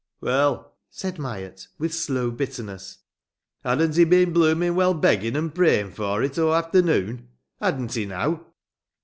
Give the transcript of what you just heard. "Well," said Myatt, with slow bitterness. "Hadn't he been blooming well begging and praying for it, aw afternoon? Hadn't he now?"